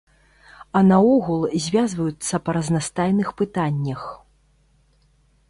А наогул, звязваюцца па разнастайных пытаннях.